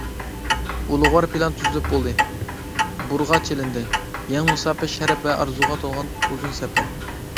ئۇلۇغۋار پىلان تۈزۈلۈپ بولدى، بۇرغا چېلىندى، يېڭى مۇساپە شەرەپ ۋە ئارزۇغا تولغان ئۇزۇن سەپەر.